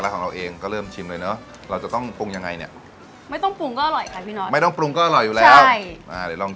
ของเราเองก็เริ่มชิมเลยเนอะเราจะต้องปรุงอย่างไรเนี่ยไม่ต้องปรุงสไดี